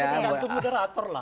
gantung moderator lah